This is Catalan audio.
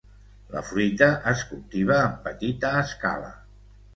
La fruita es cultiva en petita escala.